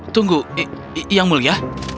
tunggu yang mulia